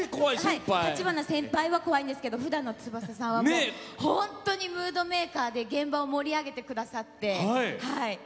橘先輩は怖いんですがふだんの翼さんは本当にムードメーカーで現場を盛り上げてくださって。